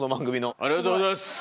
ありがとうございます。